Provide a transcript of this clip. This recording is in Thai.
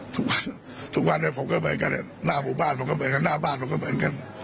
ทุกวันทุกวันผมก็เหมือนกันหน้าหมู่บ้านมันก็เหมือนกันหน้าบ้านผมก็เหมือนกัน